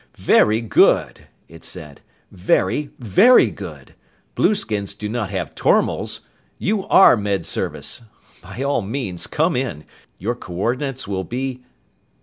"Very good!" it said. "Very, very good! Blueskins do not have tormals! You are Med Service! By all means come in! Your coordinates will be...."